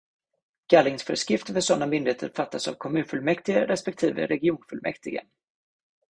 Gallringsföreskrifter för sådana myndigheter fattas av kommunfullmäktige respektive regionfullmäktige.